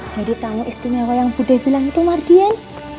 jadi tamu istimewa yang bu deh bilang itu mardian